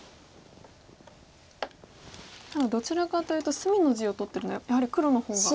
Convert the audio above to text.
ただどちらかというと隅の地を取ってるのでやはり黒の方が。